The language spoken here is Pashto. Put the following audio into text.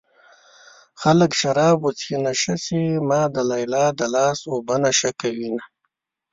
خلک شراب وڅښي نشه شي ما د ليلا د لاس اوبه نشه کوينه